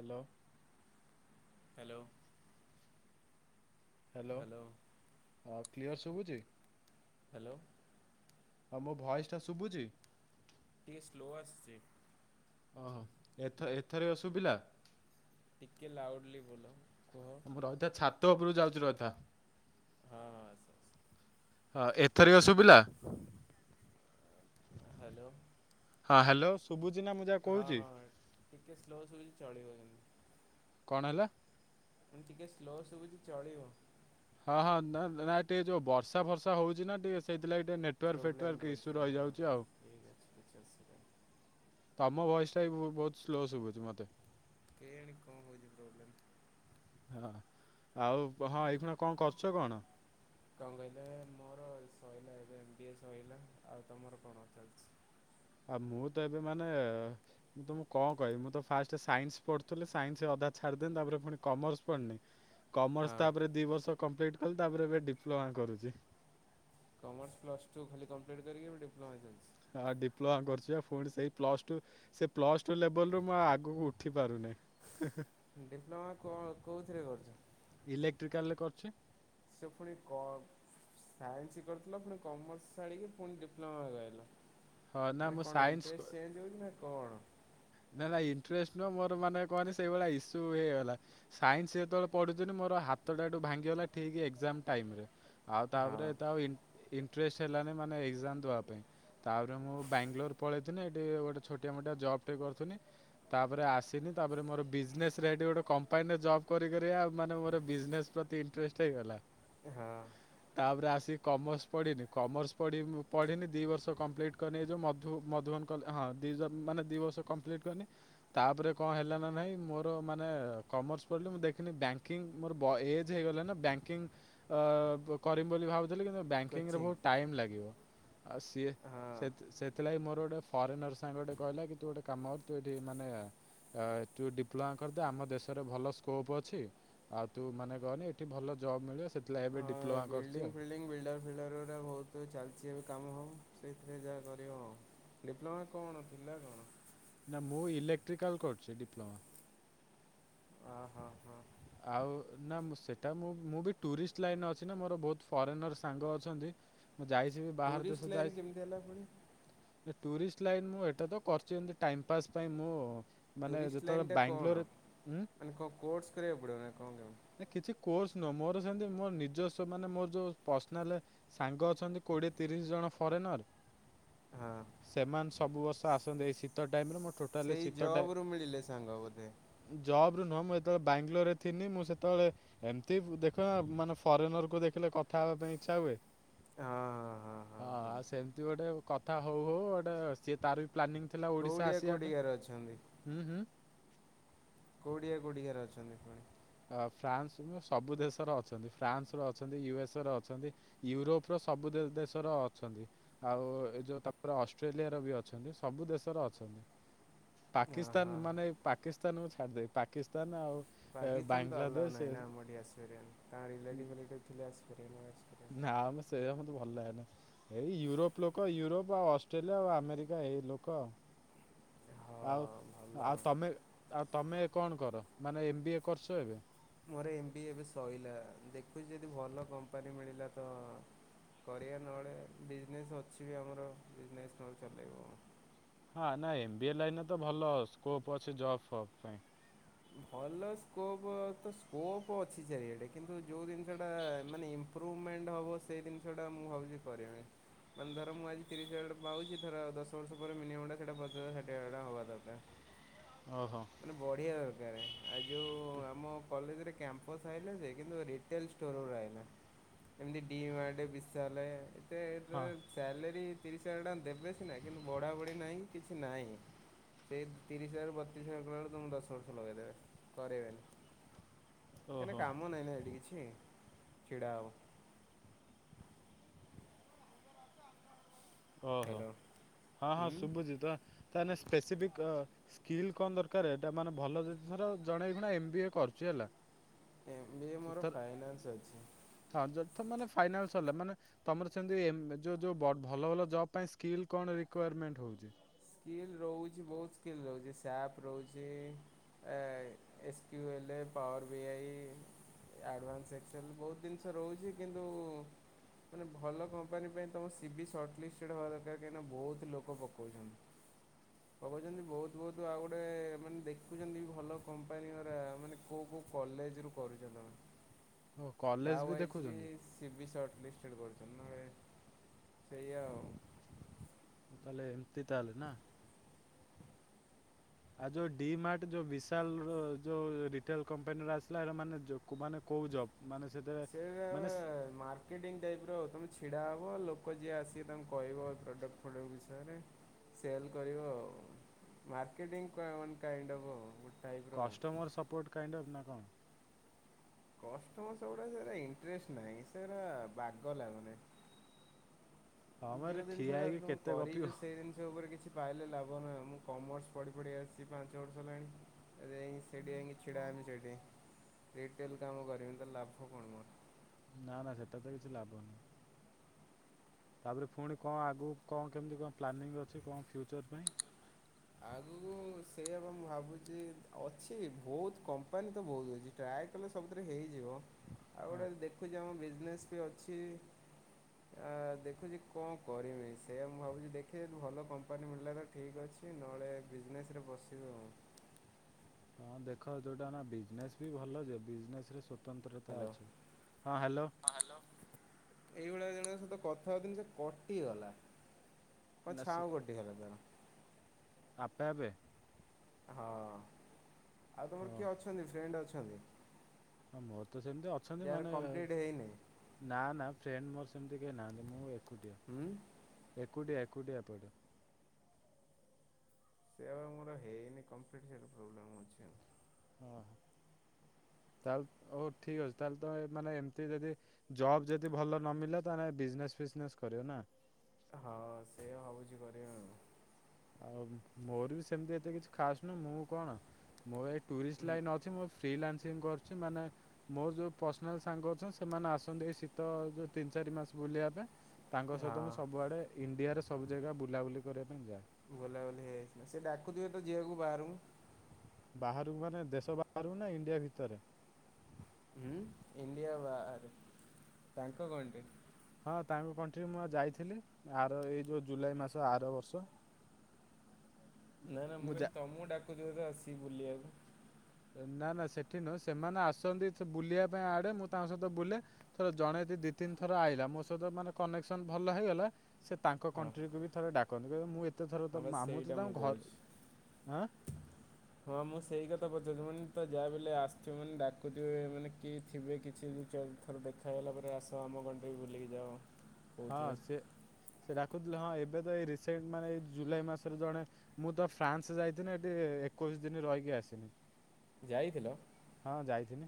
Hello. Hello. Hello hello ଅ clear ଶୁଭୁଛି? Hello. ଅ ମୋ ଭଏସ୍ ଟା ଶୁଭୁଚି? ଟିଏ ସ୍ଲୋ ଆସୁଚି। ଓହୋ ଏଥ ଏଥରିକ ଶୁଭିଲା? ଟିକେ ଲାଉଡ୍ଲି ବୋଲ କୁହ? ମୁଁ ରହିଥା ଛାତ ଉପରୁକୁ ଯାଉଛି ରହିଥା। ହଁ ହଁ ଆସ। ଆସ ହଁ ଏଥରିକ ଶୁବିଲା? ହାଲୋ। ହଁ ହାଲୋ ଶୁଭୁଚିନା ମୁଁ ଯା ହଁ କହୁଛି? ହଁ ଟିକେ ସ୍ଲୋ ସୁୁବୁଛି ଚଳିବ ସେମିତି। କଣ ହେଲା? ଉଁ ଟିକେ ସ୍ଲୋ ଶୁବୁଚି ଚଳିବ। ହଁ ହଁ ନାଁ ନାଁ ନା ଟିକେ ଯୋଉ ବର୍ଷା ଫର୍ଷା ହଉଚି ନାଁ ଟିକେ ସେଇଥିଲାଗି ଟିକେ ନେ ଟୁୱାର୍ ଫେଟୱାର୍ ପ୍ରୋବ୍ଲେମ୍ ଟିକେ ରହୁଛି ରସୁ ହଁ ରହି ହଁ ଯାଉଚି ଆଉ। ଠିକ୍ ଅଛି କିଛି ଅସୁବିଧା ନାହିଁ। ତମ ଭଏସ୍ ଟା ବି ବୋ ବହୁତ ସ୍ଲୋ ଶୁବୁଚି ମତେ। କେଆଣି କଁ ହଉଚି ପ୍ରୋବ୍ଲେମ୍? ହଁ ଆଉ ହଁ ଏଇକ୍ଷୁଣି କଁ କରୁଚ କଣ? କଁ କହିଲେ ମୋର ସଇଲା ଏବେ ଏମ୍ ବି ଏ ସଇଲା ଆଉ ତମର କଣ ଚାଲଚି? ଆ ମୁଁ ତ ଏବେ ମାନେ ମୁଁ ତମୁ କଁ କହି ମୁଁ ତ ଫାଷ୍ଟେ ସାଇନ୍ସ୍ ପଢୁଥୁଲି ସାଇନ୍ସ୍ ଅଧା ଛାଡିଦେନି ତାପରେ ଫୁଣି କମର୍ସ ପଢନି। କମର୍ସ ହଁ ତାପରେ ଦି ବର୍ଷ କମ୍ପ୍ଲିଟ୍ କଲି ତାପରେ ଏବେ ଡିପ୍ଲୋମା କରୁଚି। କମର୍ସ ପ୍ଲସ୍ ଟୁ ଖାଲି କମ୍ପ୍ଲିଟ କରିକି ଏବେ ଡିପ୍ଲୋମା ଚାଲଚି। ହଁ ଡିପ୍ଲୋମା କରୁଚି ବା ଫୁଣି ସେଇ ପ୍ଲସ ଟୁ ସେ ପ୍ଲସ୍ ଟୁ ଲେବଲ୍ ରୁ ମୁଁ ଆଉ ଆଗୁକୁ ଉଠିପାରୁନେଇ। ଡିପ୍ଲୋମା କଣ କୋଉଥିରେ କରୁଚ? ଇଲେକ୍ଟ୍ରିକାଲରେ କରୁଚି। ସେ ଫୁଣି କ ସାଇନ୍ସ୍ କରିଥିଲ ଫୁଣି କମର୍ସ ଛାଡ଼ିକି ଫୁଣି ଡିପ୍ଲୋମାକୁ ଆଇଲ। ହଁ ନା ମାନେ ମୁଁ କଣ ସାଇନ୍ସ ଇଣ୍ଟ୍ରେଷ୍ଟ ଚେଞ୍ଜ୍ ହଉଚି ନା କଣ? ନାଁ ନାଁ ଇଣ୍ଟ୍ରେଷ୍ଟ ନୁହଁ ମୋର ମାନେ କହନି ସେଇଭଳିଆ ଇସୁ ହେଇଗଲା। ସାଇନ୍ସ୍ ଯେତୋଳେ ପଢୁଥିନି ମୋର ହାତଟା ଏଠୁ ଭାଙ୍ଗିଗଲା ଠିକି ଏକ୍ଜାମ ଟାଇମ୍ ରେ। ଆଉ ତାପରେ ଏତେ ହଁ ଆଉ ଇ ଇଣ୍ଟ୍ରେଷ୍ଟ ହେଲାନେଇ ମାନେ ଏକ୍ଜାମ ଦବା ପାଇଁ। ତାପରେ ମୁଁ ବ୍ୟାଙ୍ଗ୍ଲୋର୍ ପଳେଇଥିନି ହେଠି ଗୋଟେ ଛୋଟିଆ ମୋଟିଆ ଜବ୍ ଟେ କରୁଥୁନି। ତାପରେ ଆସିନି ତାପରେ ମୋର ବିଜନେସ୍ ରେ ହେଠି ଗୋଟେ କମ୍ପାନୀରେ ଜବ୍ କରି କରି ଆଉ ମାନେ ମୋର ବିଜନେସ୍ ପ୍ରତି ଇଣ୍ଟ୍ରେଷ୍ଟ ହେଇଗଲା। ଏ ହଁ। ତାପରେ ଆସି କମର୍ସ ପଢି଼ନି କମର୍ସ ପଢ଼ି ପଢି଼ନି ଦି ବର୍ଷ କମ୍ପ୍ଲିଟ୍ କନି ଏ ଯୋଉ ମଧୁ ମଧୁବନ କଲେ ହଁ ଦିଜ ମାନେ ଦି ବର୍ଷ କମ୍ପ୍ଲିଟ କନି। ତାପରେ କଁ ହେଲା ନାଁ ନାହିଁ ମୋର ମାନେ କମର୍ସ ପଢ଼ିଲି ମୁଁ ଦେଖିନି ବ୍ୟାଙ୍କିଙ୍ଗ୍ ମୋର ବ ଏଜ୍ ହେଇଗଲାଣି ନା ବ୍ୟାଙ୍କିଙ୍ଗ ଅ କରିମି ବୋଲି ଭାବୁଥୁଲି କିନ୍ତୁ ବ୍ୟାଙ୍କିଙ୍ଗ୍ ର କୋଚିଂ ଭୋଉ ଟାଇମ୍ ଲାଗିବ ଆ ସିଏ ହଁ ସେଥ୍ ସେଥିଲାଗି ମୋର ଗୋଟେ ଫରେନର୍ ସାଙ୍ଗଟେ କହିଲା କି ତୁ ଗୋଟେ କାମ କର ତୁ ଏଠି ମାନେ ଅ ତୁ ଡିପ୍ଲୋମା କରିଦେ ଆମ ଦେଶରେ ଭଲ ସ୍କୋପ୍ ଅଛି। ଆଉ ତୁ ମାନେ କହନି ଏଠି ଭଲ ଜବ୍ ମିଳିବ ସେଥିଲା ଏବେ ଡିପ୍ଲୋମା କରୁଚି ଆଉ। ଲିଂ ବିଲ୍ଡର ମିଲର ଗୁରା ଭଉତୁ ଚାଲଚି ଏବେ କାମ ହଉ ସେଇଥିରେ ଯାହା କରିବ। ଡିପ୍ଲୋମା କଣ ଥିଲା କଣ? ନାଁ ମୁଁ ଇଲେକ୍ଟ୍ରିକାଲ କରୁଚି ଡିପ୍ଲୋମା। ଅ ହଁ ହଁ। ଆଉ ନାଁ ମୁଁ ସେଟା ମୁଁ ମୁଁ ବି ଟୁରିଷ୍ଟ ଲାଇନେ ଅଛି ନା ମୋର ବହୁତ ଫରେନର୍ ସାଙ୍ଗ ଅଛନ୍ତି। ମୁଁ ଯାଇଛି ବି ବାହାର ଟୁରିଷ୍ଟ ଦେଶ ଲାଇନ୍ ଯାଇ କେମିତି ହେଲା ପୁଣି? ଏ ଟୁରିଷ୍ଟ ଲାଇନ୍ ମୁଁ ଏଟା ତ କରିଚି ଏମତି ଟାଇମ୍ ପାସ୍ ପାଇଁ ମୁଁ ମାନେ ଟୁରିଷ୍ଟ ଯେତୋଳେ ଲାଇନ୍ଟା କଣ ବାଙ୍ଗଲୋରେ ଉଁ? ମାନେ କଁ କୋର୍ସ କରିବାକୁ ପଡ଼ିବ ନାଁ କଁ କେମ୍ ନାଁ କିଛି କୋର୍ସ ନୁହଁ ମୋର ସେମତି ମୋର ନିଜସ୍ଵ ମାନେ ମୋର ଯୋଉ ପର୍ସନାଲେ ସାଙ୍ଗ ଅଛନ୍ତି କୋଡ଼ିଏ ତିରିଶ ଜଣ ଫରେନର। ହଁ [inaudible] ସେମାନେ ସବୁ ବର୍ଷ ଆସନ୍ତି ଏଇ ଶୀତ ଟାଇମରେ ମୁଁ ଟୋଟାଲି ଶୀତ ଟେ ଏ ସଙ୍ଗ ବଧେ। ଜବ୍ ରେ ନୁହ ମୁଁ ଯେତେବେଳେ ବାଙ୍ଗଲୋରରେ ଥିଲି ମୁଁ ସେ ସେତେବେଳେ ଏମିତି ଦେଖ ମାନେ ଫରେନରକୁ ଦେଖିଲେ କଥା ହେବା ପାଇଁ ଇଚ୍ଛା ହୁଏ। ହଁ ହଁ ଆ ସେମିତି ଗୋଟେ କଥା ହଉ ହଉ ଗୋଟେ ସିଏ ତାର ବି ପ୍ଲାନିଂ ଥିଲା ଓଡ଼ିଶା କୋଉଡିଆ ଆସିବା ପାଇଁ କୋଉଡିଆରେ ଅଛନ୍ତି ହୁଁ ହୁଁ କଉଠି କଉଁଠିକାର ଅଛନ୍ତି ପୁଣି ଅ ଫ୍ରାନ୍ସ ସବୁ ଦେଶର ଅଛନ୍ତି ଫ୍ରାନ୍ସ ର ଅଛନ୍ତି ୟୁଏସ୍ ର ଅଛନ୍ତି। ୟୁରୋପ ର ସବୁ ଦେଶର ଅଛନ୍ତି। ଆଉ ଏ ଯୋଉ ତାପରେ ଅଷ୍ଟ୍ରେଲିଆର ବି ଅଛନ୍ତି ସବୁ ଦେଶର ଅଛନ୍ତି। ହଁ ହଁ। ପାକିସ୍ତାନ୍ ମାନେ ପାକିସ୍ତାନ୍ କୁ ଛାଡ଼ିଦେଇ ପାକିସ୍ତାନ୍ ଆଉ ଏ, ପାକିସ୍ତାନ୍ ତ ଆଲାଓ ବାଂଲାଦେଶ ନାହିଁ ନା ଏ, ଆମଠି ଆସିପରିବେନି ରିଲେଟିଭ୍ ରିଲେଟିଭ୍ ଥିଲେ ଆସି ନା ଆମେ ସେଆ ମତେ ଭଲ ଲାଗେନି। ଏଇ ୟୁରୋପ ଲୋକ ୟୁରୋପ ଆଉ ଅଷ୍ଟ୍ରେଲିଆ ଆଉ ଆମେରିକା ଏଇ ଲୋକ ଆଉ। ହଁ ଆଉ ଭଲ ଆଉ ତମେ ଆଉ ତମେ କଣ କର ମାନେ ଏମ ବି ଏ କରୁଛ ଏବେ? ମୋର ଏମ୍ ବି ଏ ଏବେ ଶୋଇଲା ଦେଖୁଛି ଯଦି ଭଲ କମ୍ପାନୀ ମିଳିଲା ତ କରିବା ନହେଲେ ବିଜନେସ୍ ଅଛି ବି ଆମର ବିଜନେସ୍ ନହେଲେ ଚଲେଇବ। ହଁ ନାଇଁ ଏମ ବି ଏ ଲାଇନ୍ ତ ଭଲ ସ୍କୋପ୍ ଅଛି ଜବ୍ ଫବ୍ ପାଇଁ। ଭଲ ସ୍କୋପ୍ ତ ସ୍କୋପ୍ ଅଛି ଚାରିଆଡ଼େ କିନ୍ତୁ ଯେଉଁ ଜିନିଷଟା ମାନେ ଇମ୍ପୃବମେଣ୍ଟ ହେବ ସେଇ ଜିନିଷଟା ମୁଁ ଭାବୁଛି କରିବି। ମାନେ ଧର ମୁଁ ଆଜି ତିରିଶ ହଜାରଟା ପାଉଛି ଧର ଦଶ ବର୍ଷ ପରେ ମିନିମମ୍ ସେଟା ପଚାଶ ହଜାର ଷାଠିଏ ହଜାର ହେବା ଦରକାର। [inaudible] ଓହୋ ମାନେ ବଢ଼ିବା ଆଉ ଯଉଁ ଆମ କଲେଜରେ କ୍ୟାମ୍ପସ୍ ଆଇିଲା ଯେ କିନ୍ତୁ ରିଟେଲ ଷ୍ଟୋରର ଆଇଲା। ଏମତି ଡି ମାଟ ବିଶାଲେ ଏତେ ହଁ ସାଲାରୀ ତିରିଶ ହଜାର ଟଙ୍କା ଦେବେ ସିନା କିନ୍ତୁ ବଢ଼ା ବଢ଼ି ନାହିଁ କିଛି ନାହିଁ। ସେ ତିରିଶ ହଜାର ବତିଶ ହଜାର ଦଶ ବର୍ଷ ଲଗେଇଦେବେ କରେଇବେନି କାହିଁକ ଓହୋ କାମ ନାହିଁ ନା ଏଇଠି କିଛି। ଛିଡ଼ା ହବ ଓହୋ ହ୍ୟାଲୋ। ହଁ ହଁ ହୁଁ ଶୁଭୁଛି ତ ତା ମାନେ ସ୍ପେଶିଫିକ ସ୍କିଲ୍ କଣ ଦରକାର ଏଟା ମାନେ ଭଲ ଜିନିଷର ଜଣେ ମାନେ ଏମ ବି ଏ କରୁଛି ହେଲା ଏମ୍ ବି ଏ ମୋର ତର ଫାଇନାନ୍ସ ଅଛି। ହଁ ଯଦି ମାନେ ଫାଇନାନ୍ସ ହେଲା ମାନେ ତମର ସେମିତି ଯୋ ଯୋଉ ଭଲ ଭଲ ଜବ ପାଇଁ ସ୍କିଲ୍ କଣ ରିକୁଆର୍ମେଣ୍ଟ ହଉଛି? ସ୍କିଲ୍ ରହୁଛି ବହୁତ ସ୍କିଲ୍ ରହୁଛି ସାପ୍ ରହୁଛି। ଏସ୍କ୍ୟୁ ଏଲ୍ ଏ ପାୱର ବିଆଇ ଆଡଭାନ୍ସ ଏକ୍ସେଲ ବହୁତ ଜିନିଷ ରହୁଛି କିନ୍ତୁ। ମାନେ ଭଲ କମ୍ପାନୀ ପାଇଁ ତମ ସିିବି ସର୍ଟଲିିଷ୍ଟେଡ୍ ହବା ଦରକାର କାହିଁକିନା ବହୁତ ଲୋକ ପକଉଛନ୍ତି। ପକଉଛନ୍ତି ବହୁତ ବହୁତ ଆଉ ଗୋଟେ ମାନେ ଦେଖୁଛନ୍ତି ଭଲ କମ୍ପାନୀ ଗରା ମାନେ କଉଁ କଉଁ କଲେଜରୁୁ ଓ କରୁଛନ୍ତି ତା କଲେଜ ୱାଇଜ୍ ବି ଦେଖୁଛନ୍ତି ସି ବି ସର୍ଟ ଲିଷ୍ଟେଡ଼୍ କରୁଛନ୍ତି ସେଇଆ ଆଉ ତାହେଲେ ଏମିତି ତାହେଲେ ନା। [inaudible] ଆଉ ଯୋଉ ଡି ମାର୍ଟ ଯୋଉ ବିଶାଲର ଯୋଉ ରିଟେଲ କମ୍ପାନୀର ଆସିଲା ଏଇଟା ମାନେ ମାନେ କୋଉ ଜବ୍ ମାନେ ସେଥିରେ ସେ ଏବେ ମାନେ ମାର୍କେଟିଂ ଟାଇପ୍ ର ତୁମେ ଛିଡ଼ା ହେବ ଲୋକ ଯିଏ ଆସିବେ ତାଙ୍କୁ କହିବ ପ୍ରଡ଼କ୍ଟ ପ୍ରଡ଼କ୍ଟ ବିଷୟରେ ସେଲ୍ କରିବ ଆଉ ମାର୍କେଟିଙ୍ଗ କ କାଇଣ୍ଡ ଅଫ୍ ଆ ଗେ କଷ୍ଟମର୍ ସପୋର୍ଟ କାଇଣ୍ଡ ଅଫ୍ ନା କଣ? କଷ୍ଟମର ସେଗୁଡା ସେ ଇଣ୍ଟଷ୍ଟ ନାହିଁ ସେରା ବାଗ ଲାଗୁନି ହଁ ମ ଏରେ ଯୋଉ ଠିଆ ଜିନିଷ ଟା ହେଇକି ତୁ କେତେ ଗପିବ କରିଛୁ ସେଇ ଜିନିଷ ଉପରେ କିଛି ପାଇଲେ ଲାଭ ନା ମୁଁ କମର୍ସ ପଢ଼ି ପଢ଼ି ଆସିଛି ପାଞ୍ଚ ବର୍ଷ ହେଲାଣି ଆରେଇ ସେଠି ଯଇକି ଛିଡ଼ା ହେମି ସେଇଠି ରିଟେଲ କାମ କରମି ତ ଲାଭ କଣ ମୋର [unintelligible] ନା ନା ସେଟା ତ କିଛି ଲାଭ ନାହିଁ ତାପରେ ପୁଣି କଣ ଆଗକୁ କଣ କେମିତି କଣ ପ୍ଲାନିଂ ଅଛି କଣ ଫ୍ୟୁଚର୍ ପାଇଁ [inaudible] ଆଗରୁ ସେଇଆ ବା ମୁଁ ଭାବୁଛି ଅଛି ବହୁତ କମ୍ପାନୀ ତ ବହୁତ ଅଛି ଟ୍ରାଏ କଲେ ସବୁଥିରେ ହେଇଯିବ ଆଉ ହଁ। ଗୋଟେ ଦେଖୁଛି ଆମ ବିଜନେସ୍ ବି ଅଛି ଆ ଦେଖୁଛି କଣ କରମି ସେୟା ମୁଁ ଭାବୁଛି ଦେଖେ ଭଲ କମ୍ପାନୀ ମିଳ ହେଲେ ତ ଠିକ୍ ଅଛି ନହେଲେ ବିଜନେସ ରେ ବସିବୁ ଆଉ ହଁ ଦେଖ ଯୋଉଟା ନା ବିଜନେସ ବି ଭଲ ଯେ ବିଜନେସ ରେ ସତନ୍ତ୍ରତା ହ୍ୟାଲୋ ଅଛି ହଁ ହ୍ୟାଲୋ ଏଇଭଳିଆ ଜଣଙ୍କ ସହିତ କଥା ହଉନି ସେ କଟିଗଲା ହ ନା ସେ ଛଉ କଟି ହେଲାାର [unintelligible] ଆପେ ଆପେ ହଁ ଆଉ ତୁମର ହଁ କିଏ ଅଛନ୍ତି ଫ୍ରେଣ୍ଡ ଅଛନ୍ତି? ହଁ ମୋର ତ ସେମିତି ଅଛନ୍ତି ଯାହାର ମାନେ କମ୍ପ୍ଲିଟ୍ ହେଇନି ନା ନା ଫ୍ରେଣ୍ଡ ମୋର ସେମିତି କେହି ନାହାନ୍ତି ମୁଁ ଏକୁଟିଆ ହୁଁ ଏକୁଟିଆ ଏକୁଟିଆ ଏପଟେ ସେୟାବା ମୋର ହେଇନି କମ୍ପ୍ଲିଟ୍ ସେଇଠୁ ପ୍ରୋବ୍ଲେମ୍ ହଉଛି। ଓହୋ ତାହେଲେ ହଉ ଠିକ୍ ଅଛି ତାହେଲେ ତ ମାନେ ଏମିତି ଯଦି ଜବ୍ ଯଦି ଭଲ ନ ମିଳିଲା ତାହେଲେ ବିଜନେସ ଫିଜନେସ କରିବ ନା? ହଁ ସେୟା ଭାବୁଛି କରିବା। ଆଉ ମୋର ବି ସେମିତି ଏତେ କିଛି ଖାସ ନୁହଁ ମୁଁ କଣ ମୋର ଏ ଟୁରିଷ୍ଟ ଲାଇନ ଅଛି ମୋ ଫ୍ରିଲନ୍ସିଂ କରୁଛି ମାନେ ମୋର ଯୋଉ ପର୍ସନାଲ ସାଙ୍ଗ ଅଛନ୍ତି ସେମାନେ ଆସନ୍ତି ଏଇ ଶୀତ ଯୋଉ ତିନି ଚାରି ମାସ ବୁଲିବା ପାଇଁ ତାଙ୍କ ସହିତ ମୁଁ ହଁ ସବୁଆଡେ ଇଣ୍ଡିଆରେ ସବୁ ଜାଗା ବୁଲାବୁଲି କରିବା ପାଇଁ ଯାଏ - - ବୁଲାବୁଲି ହେଇଯାଇଛି ନା ସେ ଡାକୁଥିବେ ତ ଯିବାକୁ ବାହାରୁ ବାହାରକୁ ମାନେ ଦେଶ ବାହାରକୁ ନା ଇଣ୍ଡିଆ ଭିତରେ? ଇଣ୍ଡିଆ ବାହାରେର ତାଙ୍କ କ ହଁ ତାଙ୍କ କର୍ଣ୍ଟି ମୁଁ ବା ଯାଇଥିଲି ଆର ଏଇ ଯୋଉ ଜୁଲାଇ ମାସ ଆର ବର୍ଷ ନାଇଁ ନା ମୁଁ କହିଲି ତମକୁ ଡାକୁଛି ବୋଧେ ଆସିକି ବୁଲିବାକୁ। ନା, ନା ସେଠି ନୁହେଁ ସେମାନେ ଆସନ୍ତି ବୁଲିବା ପାଇଁ ଇଆଡେ ମୁଁ ତାଙ୍କ ସହିତ ବୁଲେ ତ ଜଣେ ଦି ତିନି ଥର ଆଇଲା ମୋ ସହିତ ମାନେ କନେକ୍ସନ ଭଲ ହେଇଗଲା ସେ ତାଙ୍କ ହଁ କଣ୍ଟ୍ରିକୁ ବି ଥରେ ଡାକନ୍ତି ମୁଁ ଏତେ ଥର ହଁ ତ ବାସ୍ ମୁଁ ତ ସେଇଟା ତାଙ୍କ କହୁଛି। ଘର ଆଁ ହଁ, ମୁଁ, ସେଇ କଥା ପଚାରୁଛି ମୁଁ କହିଲି ତ ଯାହା ବି ହେଲେ ଆସିଥିବ ମାନେ ଡାକୁଥିବେ ମାନେ କି ଥିବେ କିଛି ଜିନିଷ ଦେଖା ହେଇଗଲା ପରେ ଆସ ଆମ କଣ୍ଟ୍ରି ବୁଲିକି ଯାଅ। ହଁ, କହୁଥିବେ ସେ ସେ ଡାକୁୁଥିଲେ ହଁ ଏବେ ତ ଏଇ ରିସେଣ୍ଟ ମାନେ ଏଇ ଜୁଲାଇ ମାସରେ ଜଣେ ମୁଁ ତ ଫ୍ରାନ୍ସ ଯାଇଥିଲି ଏଠି ଏକୋଇଶି ଦିନ ରହିକି ଆସିନି। ଯାଇଥିଲ ହ, ହଁ ଯାଇଥିନି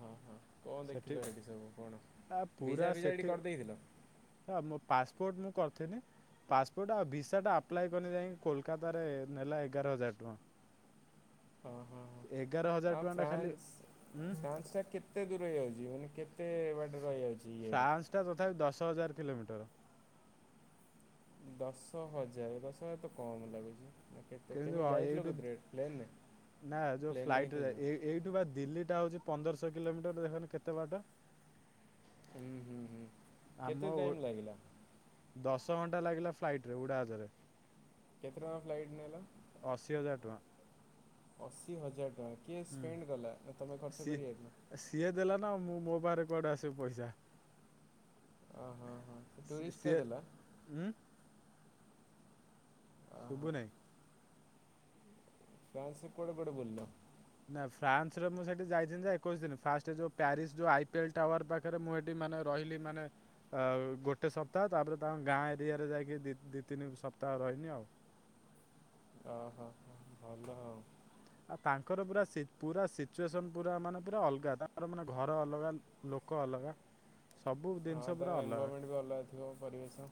ହଁ, ହଁ। କଣ ସେଠି ଦେଖିଲ ହେଇଠି ସବୁ କଣ ଆ ଭିଜା ଭିଜା ଏଇଠି କରି ଦେଇଥିଲ? ଆ ମୋ ପାସପୋର୍ଟ ମୁଁ କରିଥିନି। ପାସପୋର୍ଟ ଆଉ ଭିସା ଟା ଆପ୍ଲାଏ କଲି ଯାଇଁ କୋଲକାତାରେ ନେଲା ଏଗାର ହଜାର ଟଙ୍କା। ହ ହ ଏଗାର ହ ହଜାର ଆ ଟଙ୍କାଟା ଖାଲି ଫ୍ରାନ୍ସ ଉଁ ଫ୍ରାନ୍ସ ଟା କେ କେତେ ଦୂର ହେଇଯାଉଛି ମାନେ କେତେ ବାଟ ରହି ଯାଉଛି। ଫ୍ରାନ୍ସ ଟା ତଥାପି ଦଶ ହଜାର କିଲୋମିଟର। ଦଶ ହଜାର, ଦଶ ହଜାର ତ କମ୍ ଲାଗୁଛି। କେତେ କିନ୍ତୁ କେମିତି ଯାଇଥିଲ ଏଇଠୁ କୋଉଥିରେ ପ୍ଲେନରେ, ନା ଯୋଉ ପ୍ଲେନ ରେ ହିଁ ତ ଫ୍ଲାଇଟରେ ଯିବ। ଏଇଠୁ ବା ଦିଲ୍ଲୀ ଟା ହଉଛି ପନ୍ଦରଶହ କିଲୋମିଟର ଦେଖନି କେତେ ବାଟ। ହୁଁ ହୁଁ ହୁଁ କେତେ ଆମ ଓ ଟାଇମ୍ ଲାଗିଲା? ଦଶ ଘଣ୍ଟା ଲାଗିଲା ଫ୍ଲାଇଟ୍ ରେ ଉଡାଜାହାଜ ରେ। କେତେ ଟଙ୍କା ଫ୍ଲାଇଟ୍ ନେଲା? ଅଶି ହଜାର ଟଙ୍କା। ଅଶୀ ହଜାର ଟଙ୍କା କିଏ ସ୍ପେଣ୍ଡ ହୁଁ କଲା ନା ତମେ ଖର୍ଚ୍ଚ ସିଏ କରିଯାଇଥିଲ? ସିଏ ଦେଲା ନା ମୁଁ ମୋ ପାଖରେ କୁଆଡେ ଆସିବ ପଇସା। ଅ ହଁ ହଁ ଟୁରିଷ୍ଟ ଟା ଦେଲା? ହୁଁ। ଓହୋ ଶୁଭୁନାହିଁ। ଫ୍ରାନ୍ସ୍ ରେ କୁଆଡେ କୁଆଡେ ବୁଲିଲ? ନା ଫ୍ରାନ୍ସରେ ମୁଁ ସେଠି ଯାଇଥିଲି ଯା ଏକୋଇଶ ଦିନ। ଫାଷ୍ଟ ଯୋଉ ପ୍ୟାରିସ ଯଉ ଆଇ ପି ଏଲ ଟାୱାର ପାଖ ଭିତରେ ମୁଁ ଏଠି ମାନେ ରହିଲି ମାନେ ଆ ଗୋଟେ ସପ୍ତାହ ତାପରେ ତାଙ୍କ ଗାଁ ଏରିଆରେ ଯାଇକି ଦିଇ ତିନି ସପ୍ତାହ ରହିନି ଆଉ। ଅ ହ ଭଲ ଆଉ। ଆଉ ତାଙ୍କର ପୁରା ସି ପୁରା ସିଚୁଏସନ ପୁରା ମାନେ ପୁରା ଅଲଗା ତାଙ୍କର ମାନେ ଘର ଅଲଗା ଲୋକ ଅଲଗା ସବୁ ଜିନିଷ ପୁରା ଅଲଗା। ସେଠି ବି ଅଲଗା ଥିବ ପରିବେଶ।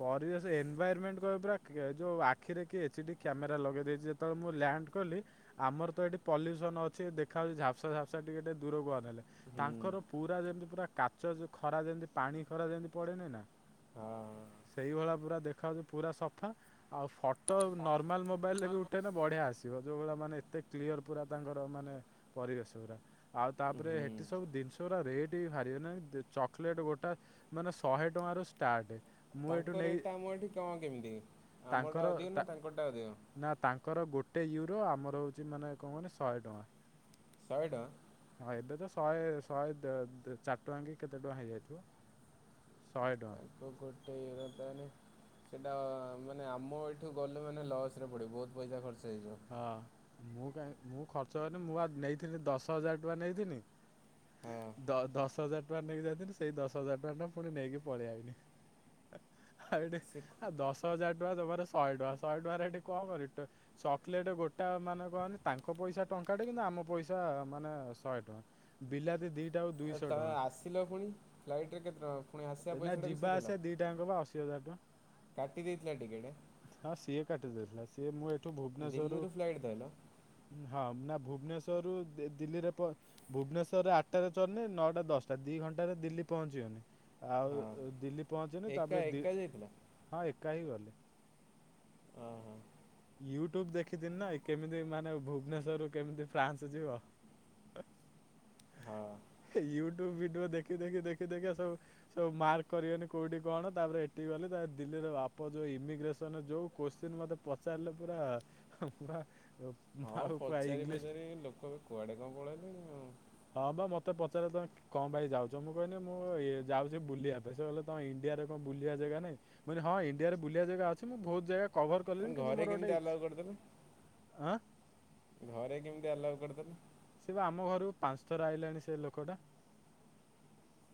ପରିବେଶ ଏନଭାୟାରମେଣ୍ଟ କହିବ ପୁରା କ ଯଉ ଆଖିରେ କିଏ ଏଚ ଡି କ୍ୟାମେରା ଲଗେଇଦେଇଛି ଯେତେବେଳେ ମୁଁ ଲ୍ୟାଣ୍ଡ କଲି ଆମର ତ ଏଠି ପଲ୍ୟୁସନ ଅଛି ଦେଖା ଯାଉଛି ଝାପ୍ସା, ଝାପ୍ସା ଟିକେ ଟିକେ ଦୂରକୁ ଆ ନହେଲେ ହୁଁ ତାଙ୍କର ପୁରା ଯେମିତି ପୁରା କାଚ ଯ ଖରା ଯେମିତି ପାଣି ଖରା ଯେମିତି ପଡେନି ନା ହଁ। ହଁ। ସେଇଭଳିଆ ପୁରା ଦେଖାଯାଉଛି ପୁରା ସଫା। ଆଉ ଫଟୋ ନର୍ମାଲ ମୋବାଇଲ ରେ ବି ଉଠେନେ ବଢିଆ ଆସିବ ଯୋଉଗୁରା ମାନେ ଏତେ କ୍ଲିୟର ପୁରା ତାଙ୍କର ମାନେ ପରିବେଶ ଗୁରା। ଆଉ ତାପରେ ହେ ଠି ହୁଁ ସବୁ ଜିନିଷ ଗୁରା ରେଟ୍ ବି ଭାରି। ଅନାନି ଚକୋଲେଟ ଗୋଟା ମାନେ ଶହେ ଟଙ୍କାରୁ ଷ୍ଟାର୍ଟ। ମୁଁ ଏଠୁ ତାଙ୍କ ନେଇ ରେଟ ଟା ଆମ ଏଠି କଣ କେମିତି? ଆମର ଟା ତାଙ୍କର ଅଧିକ ତା ନା ତାଙ୍କର ଟା ଅଧିକ? ନା ତାଙ୍କର ଗୋଟେ ୟୁରୋ ଆମର ହଉଛି ମାନେ କଣ କହନି ମାନେ ଶହେ ଟଙ୍କା। ଶହେ ଟଙ୍କା। ହଁ, ଏବେ ତ ଶହେ, ଶହେ ଦ ଦ ଚାରି ଟଙ୍କା କି କେତେ ଟଙ୍କା ହେଇ ଯାଇଥିବ। ଶହେ ଟଙ୍କା। ଓ ଗୋଟେ ୟୁରୋ ତାହେନେ ସେଇଟା ମାନେ ଆମ ଏଇଠୁ ଗଲେ ମାନେ ଲସ୍ ରେ ପଡ଼ିବୁ ବହୁତ ପଇସା ଖର୍ଚ୍ଚ ହେଇଯିବ। ହଁ ମୁଁ କାହିଁ ମୁଁ ଖର୍ଚ୍ଚ ହେଇନି ମୁଁ ବା ନେଇଥିନି ଦଶ ହଜାର ଟଙ୍କା ନେଇଥିନି। ହଁ ଦ ଦଶ ଦଶ ହଜାର ଟଙ୍କା ନେଇକି ଯାଇଥିଲି। ସେଇ ଦଶ ହଜାର ଟଙ୍କା ଟା ପୁଣି ନେଇକି ପଳେଇଆଇନି। ଆଉ ଏଠି [unintelligible] ଦଶ ହଜାର ଟଙ୍କା ଜମାରୁ ଶହେ ଟଙ୍କା। ଶହେ ଟଙ୍କାରେ ଏଠି କଣ କରି ଟ ଚକଲେଟ ଗୋଟା ମାନେ କହନି ତାଙ୍କ ପଇସା ଟଙ୍କାଟେ କିନ୍ତୁ ଆମ ପଇସା ମାନେ ଶହେ ଟଙ୍କା। ବିଲାତି ଦି ଏ ତମେ ଆସିଲ ପୁଣି? ଫ୍ଲାଇଟରେ କେତେ ଟଙ୍କା? ପୁଣି ଆସିବା ପଇସାଟା ବି ସିଏ ଦେଲା? ଟ୍ୟାଙ୍କ ପା ଅଶି ହଜାର ଟଙ୍କା। କାଟି ଦେଇଥିଲା ଟିକେଟ। ହଁ ସିଏ କାଟିଦେଇଥିଲା। ସିଏ ମୁଁ ଏଠୁ ଭୁବନେଶ୍ଵରରୁୁ। ଦିଲ୍ଲୀରୁ ଫ୍ଲାଇଟ୍ ଧଇଲ ହଁ ନା ଭୁବନେଶ୍ଵରରୁ ଦେ ଦିଲ୍ଲୀରେ ପ ଭୁବନେଶ୍ୱରରେ ଆଠଟାରେ ଚଢ଼ିନି ନଅଟା, ଦଶଟା ଦି ଘଣ୍ଟାରେ ଦିଲ୍ଲୀ ପହଞ୍ଚିଗନି। ହଁ ଆଉ ଦିଲ୍ଲୀ ପହଞ୍ଚିଗନି ଏକା ତାପରେ ଦି ଏକା ଯାଇଥିଲ ହଁ ଏକା ହି ଗଲି। ଅ ହଁ। ୟୁ ଟ୍ୟୁବ ଦେଖିଥିନି ନା। କେମିତି ମାନେ ଭୁବନେଶ୍ୱରରୁ କେମିତି ଫ୍ରାନ୍ସ ଯିବ। [unintelligible] ହଁ। ୟୁ ଟ୍ୟୁବ ଭିଡିଓ ଦେଖି ଦେଖି ଦେଖି ଦେଖିକା ସବୁ। ସବୁ ମାର୍କ କରିଗନି କୋଉଠି କଣ। ତାପରେ ଏଠିକି ଗଲି ତା ଦିଲ୍ଲୀରେ ବାପ ଯୋଉ ଇମିଗ୍ରେସନ ଯୋଉ। କୋଶ୍ଚିିନ ମତେ ପଚାରିଲେ ପୁରା ହଁ ପୁରା ଅ ହଁ ପଚାରି ପଚାରି ଲୋକ ବି କୁଆଡେ କଣ ପଳେଇଲେଣି। ହଁ ପା ମତେ ପଚାରିଲେ ତମେ କଣ ପାଇଁ ଯାଉଛ? ମୁଁ କହିନି ମୁଁ ଇଏ ଯାଉଛି ବୁଲିବା ପାଇଁ। ସେ କହିଲେ ତମ ଇଣ୍ଡିଆରେ କଣ ବୁଲିବା ଜାଗା ନାଇଁ? ମୁଁ କହିନି ହଁ ଇଣ୍ଡିଆରେ ବୁଲିିବା ଜାଗା ଅଛି। ମୁଁ ବହୁତ ଜାଗା କଭର ଆଉ। କଲିଣି କିନ୍ତୁ ଘରେ ମୋର କେମିତି ଗୋଟେ ଇ ଆଲାଉ କରିଦେଲେ? ଆଁ। ଘରେ କେମିତି ଆଲାଉ କରିଦେଲେ? ସେ ପା ଆମ ଘରକୁ ପାଞ୍ଚ ଥର ଆଇଲାଣି ସେ ଲୋକଟା।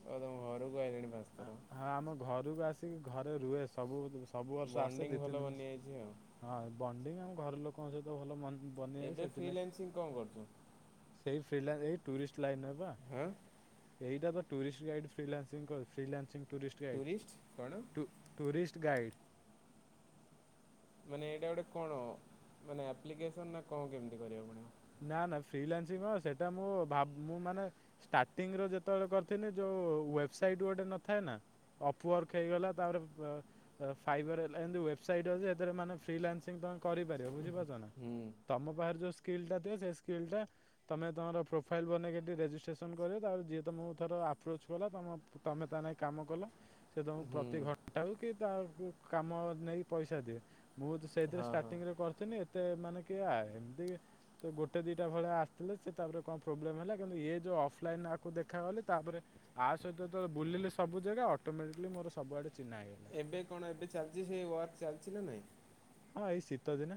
ଓ ତମ ଘରକୁ ଆଇଲାଣି ପା ହଁ ହଁ ଆମ ଘରକୁ ଆସିକି ଘରେ ରୁହେ ସବୁ ସବୁ ବର୍ଷ ଆସେ ବଣ୍ଡିଙ୍ଗ ଦି, ଭଲ ତିନି ଦିନି। ବନିଯାଇଛି ଆଉ ହଁ ବଣ୍ଡିଙ୍ଗ ଆମ ଘର ଲୋକଙ୍କ ସହିତ ଭଲ ମ ଏବେ ଫ୍ରିଲାନ୍ସିଙ୍ଗ କଣ କରୁଚୁ? ସେଇ ଫ୍ରିଲା ଏଇ ଟୁରିଷ୍ଟ ଲାଇନରେ ପା। ହାଁ। ଏଇଟା ପା tourist guide freelancing course freelancing tourist guide two tourist guide. ମାନେ ଏଇଟା ଗୋଟେ କଣ? ମାନେ ଆପ୍ଲିକେସନ୍ ନା କଣ କେମିତି କରିବାକୁ ପଡ଼ିବ? ନା ନା ଫ୍ରିଲାନ୍ସିଙ୍ଗ କଣ ସେଟା ମୁଁ ଭାବୁ ମୁଁ ମାନେ। ଷ୍ଟାର୍ଟିଙ୍ଗ ରୁ ଯେତେବେଳେ କରିିଥିନି ଯୋଉ ୱେବସାଇଟ୍ ଗୋଟେ ନଥାଏ ନା। ଅପ ୱାର୍କ ହେଇଗଲା। ତାପରେ ବ ଅ ଫାଇବର ହେଲା। ଏମିତି ୱେବସାଇଟ୍ ଅଛି ସେଥିରେ ମାନେ ଫ୍ରିଲାନ୍ସିଙ୍ଗ ତମେ କରିପାରିବ ବୁଝିପାରୁଛ ନା। ହୁଁ ତମ ପାଖରେ ଯୋଉ ସ୍କିଲ୍ ଟା ଥିବ ସେ ସ୍କିଲ ଟା। ତମେ ତମର ପ୍ରୋଫାଇଲ ବନେଇକି ଏଠି ରେଜିଷ୍ଟ୍ରେସନ୍ କରିବ। ତାପରେ ଯିଏ ତମକୁ ଧର ଆପ୍ରୋଚ୍ କଲା ତମ ତମେ ତା ନାଇ କାମ କଲ। ସେ ତମକୁ ହୁଁ ପ୍ରତି ଘଣ୍ଟାକୁ କି ତା କାମ ନେଇ ପଇସା ଦିଏ। ମୁଁ ତ ସେଇଥିରେ ହଁ ହଁ। ଷ୍ଟାର୍ଟିଙ୍ଗ ରେ କରିଥିନି ଏତେ ମାନେ କିଏ ଆ ଏମିତି। ତ ଗୋଟେ ଦିଟା ଭଳିଆ ଆସିଥିଲେ। ସେ ତାପରେ କଣ ପ୍ରୋବ୍ଲେମ୍ ହେଲା କିନ୍ତୁ ଇଏ ଯୋଉ ଅଫଲାଇନ ଆକୁ ଦେଖାକଲି ତାପରେ। ଆ ସହିତ ଯେତବେଳେ ବୁଲିଲି ସବୁ ଜାଗା ଅଟୋମେଟିକଲି ମୋର ସବୁଆଡେ ଚିହ୍ନା [unintelligible] ଏବେ କଣ ଏବେ ଚାଲିଛି ସେ ୱାର୍କ ଚାଲିଚି ନା ନାଇଁ? ହଁ ଏଇ ଶୀତ ଦିନେ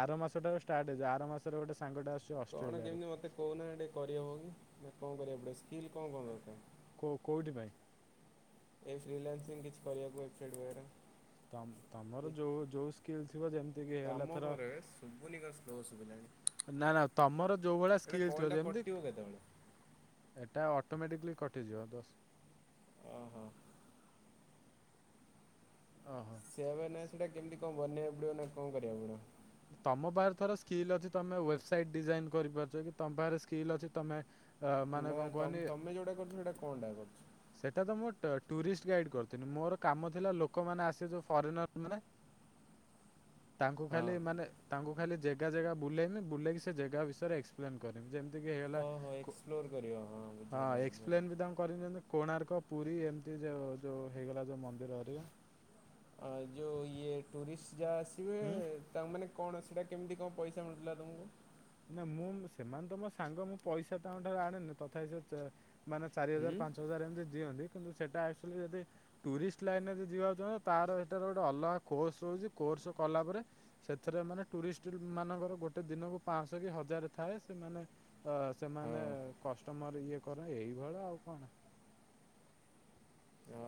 ଆର ମାସଠାରୁ ଷ୍ଟାର୍ଟ ହେଇଯିବ, ଆର ମାସରୁ ଗୋଟେ ସାଙ୍ଗଟା ଆସୁଛି କଣ ଅଷ୍ଟ୍ରେଲିଆରୁ। କେମିତି ମତେ କହୁନା ଟିକେ କରି ହଉନି କଣ କରିବାକୁ ପଡ଼ିବ ସ୍କିଲ୍ କଣ-କଣ ଦରକାର୍। କୋଉ କୋଉଠି ପାଈଁ? [inaudible] ତମ ତମର ଯୋଉ-ଯୋଉ ସ୍କିଲ୍ ଥିବ ଯେ କାମ [unintelligible] ଶଭୁନି କଣ ସ୍ଲୋ ଶୁଭିଲାଣି। ନା-ନା ତମର ଯୋଉ ଭଳିଆ ସ୍କିଲ୍ ଥିବ ଯେ [unintelligible] କେତବେଳେ। ଏଟା ଅଟୋମେଟିକଲି କଟିଯିବ ଦଶ ଅ ହଁ। ଅ ହଁ। [unintelligible] ସେଇଟା କେମିତି କଣ ବନେଇବୁ ପଡ଼ିବ ନା କଣ କରିବାକୁ ପଡ଼ିବ? ତମ ପାଖରେ ଥରେ ସ୍କିଲ୍ ଅଛି ତମ ୱେବସାଇଟ୍ ଡିଜାଇନ୍ କରିପାରୁଚ କି ତମ ପାଖରେ ସ୍କିଲ୍ ଅଛି ତମେ ଅ ମାନେ ନାଁ କଣ ତମ କୁହନି ତମେ ଯେଉଁଟା କରୁଚ ସେଇଟା କଣଟା [unintelligible] ସେଟା ତ ମୁଁ ଟ ଟୁରିଷ୍ଟ ଗାଇଡ୍ କରୁଥିଲି ମୋର କାମ ଥିଲା ଲୋକମାନେ ଆସିବେ ଯୋଉ ଫରେନର [unintelligible] ତାଙ୍କୁ ଖାଲି ହଁ ମାନେ ତାଙ୍କୁ ଖାଲି ଜେଗା-ଜେଗା ବୁଲେଇମି ବୁଲେଇକି ସେ ଜେଗା ବିଷୟରେ [unintelligible] ଯେମିତିକି ହେଲା ଓହୋ କୋ ଏକ୍ସପ୍ଲୋର କରିବ ହଁ ବୁଝିଗଲା ବୁଝିଗଲା। ଏସପ୍ଲନ୍ [unintelligible] କୋଣାର୍କ ପୁରୀ ଏମିତି ଯୋଉ-ଯୋଉ ହେଇଗଲା ଯୋଉ ମନ୍ଦିର ଏରିଆ ଆ ଯେଉଁ ଇଏ ଟୁରିଷ୍ଟ ଯାହା ଆସିବେ ହୁଁ। ତା ମାନେ କଣ ସେଇଟା କେମିତି କଣ ପଇସା ମିଳୁଥିଲା ତୁମୁକୁ? ନା ମୁଁ ସେମାନେ ତ ମୋ ସାଙ୍ଗ ମୁଁ ପଇସା ତାଙ୍କ ଠାରୁ ଆଣେନି ତଥାପି ସେ ଚ ମାନେ ଚାରି ହୁଁ ହଜାର ପାଞ୍ଚ ହଜାର ଏମିତି ଦିଅନ୍ତି କିନ୍ତୁ ସେଟା ଆକ୍ଚୁଆଲି ଯଦି ଟୁରିଷ୍ଟ ଲାଇନ୍ ରେ ଯଦି ଯିବାକୁ ଚାହିଁବ ତାର ଏଠା ଗୋଟେ ଅଲଗା କୋର୍ସ ହଉଚି କୋର୍ସ କଲା ପରେ ସେଥିରେ ମାନେ ଟୁରିଷ୍ଟଲ୍ ମାନଙ୍କର ଗୋଟେ ଦିନ ପାଁଶହ କି ହଜାର ଥାଏ ସେମାନେ ଅ ହଁ ସେମାନେ କଷ୍ଟମର ଇଏ କରେ ଏଇଭଳି ଆଉ କଣ। [unintelligible]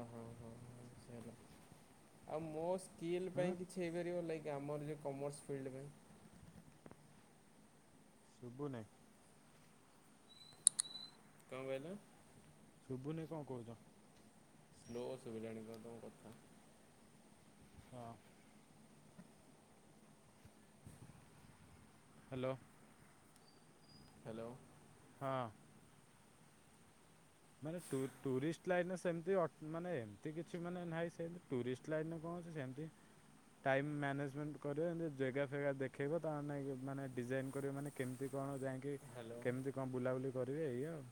ଆଉ ମୋ ସ୍କିଲ୍ ହୁଁ ପାଇଁ କିଛି ହେଇପାରିବ ଲାଇକ୍ ଆମର ଯେଉଁ କମର୍ସ ଫିଲ୍ଡ ପାଇଁ? ଶୁଭୁନି। କଣ କହିଲେ? ଶୁଭୁନି କଣ କହୁଚ। ଲୋ ଶୁଭିଲାଣି ତ ତମ କଥା। ହଁ। ହାଲୋ। ହାଲୋ। ହଁ। ମାନେ ଟୁ ଟୁରିଷ୍ଟ ଲାଇନ୍ ସେମିତି ଅଟ ମାନେ ଏମିତି କିଛି ମାନେ ନାହିଁ ସେମତି ଟୁରିଷ୍ଟ ଅଫ୍ ଲାଇନ୍ କଣ ଅଛି ସେମିତି। ଟାଇମ୍ ମ୍ୟାନେଜମେଣ୍ଟ କରିବ ଏମିତି ଜେଗା ଫେଗା ଦେଖେଇବ ତା ଆମେ ଇ ମାନେ ଡିଜାଇନ୍ କରିବ ମାନେ କେମିତି କଣ ଯାଇକି ହ୍ୟାଲୋ। କେମିତି କଣ ବୁଲାବୁଲି କରିବେ ଇଏ ଆଉ।